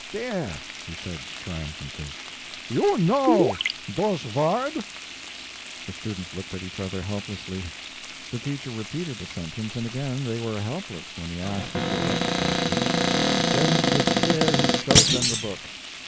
"Dere!" he said, triumphantly; "you know dose vord?" The students looked at each other helplessly. The teacher repeated the sentence, and again they were helpless when he asked if they recognized it. Then in despair he showed them the book.